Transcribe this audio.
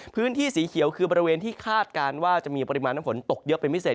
พื้นที่สีเขียวคือบริเวณที่คาดการณ์ว่าจะมีปริมาณน้ำฝนตกเยอะเป็นพิเศษ